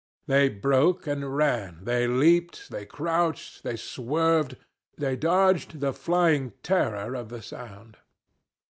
They broke and ran, they leaped, they crouched, they swerved, they dodged the flying terror of the sound.